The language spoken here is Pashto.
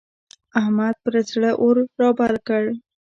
احمد پر زړه اور رابل کړ.